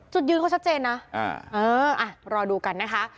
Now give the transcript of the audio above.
จุดยืนเขาชัดเจนนะเอออ่ะรอดูกันนะคะ